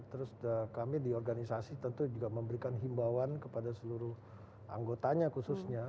terus kami di organisasi tentu juga memberikan himbawan kepada seluruh anggotanya khususnya